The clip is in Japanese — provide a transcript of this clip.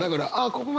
ここまで。